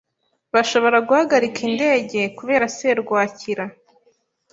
Bashobora guhagarika indege kubera serwakira.